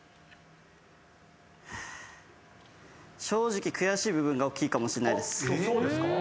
正直悔しい部分がおっきいかもしんないです。